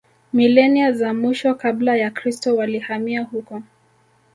Milenia za mwisho Kabla ya Kristo walihamia huko